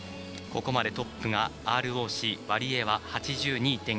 ここまでトップがＲＯＣ、ワリエワ。８２．１６２